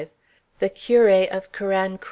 THE CURÉ OF CARANCRO.